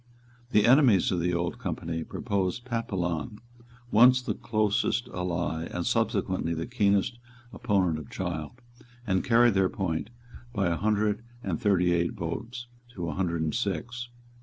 The enemies of the Old Company proposed Papillon, once the closest ally and subsequently the keenest opponent of Child, and carried their point by a hundred and thirty eight votes to a hundred and six.